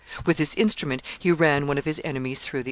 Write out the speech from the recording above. With this instrument he ran one of his enemies through the arm.